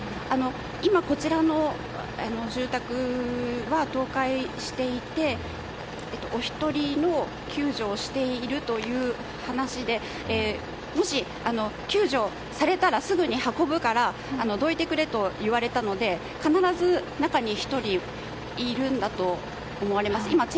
今、こちらの住宅が倒壊していて１人の救助をしているという話でもし救助されたらすぐに運ぶからどいてくれと言われたので必ず中に１人いるんだと思われます。